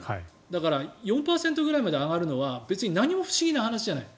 だから４％ぐらいまで上がるのは別に何も不思議な話じゃない。